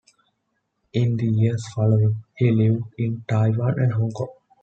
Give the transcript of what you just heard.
In the years following, he lived in Taiwan and Hong Kong.